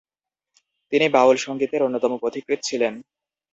তিনি বাউল সঙ্গীতের অন্যতম পথিকৃৎ ছিলেন।